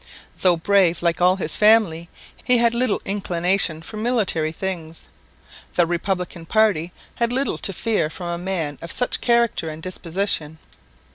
Though brave like all his family, he had little inclination for military things. The Republican party had little to fear from a man of such character and disposition.